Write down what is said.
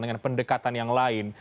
dengan pendekatan yang lain